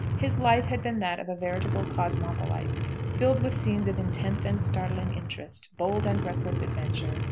His life had been that of a veritable cosmopolite, filled with scenes of intense and startling interest, bold and reckless adventure.